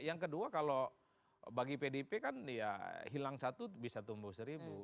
yang kedua kalau bagi pdip kan ya hilang satu bisa tumbuh seribu